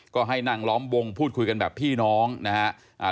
ก็ให้นั่งล้อมวงพูดคุยกันแบบพี่น้องนะฮะ